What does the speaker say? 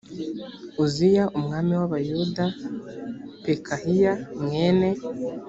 uziya umwami w abayuda pekahiya mwene